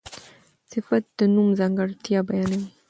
صفت د نوم ځانګړتیا بیانوي.